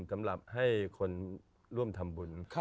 สำหรับให้คนร่วมทำบุญ